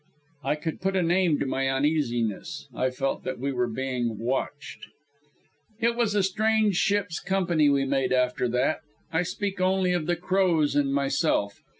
I could put a name to my uneasiness. I felt that we were being watched. It was a strange ship's company we made after that. I speak only of the Crows and myself.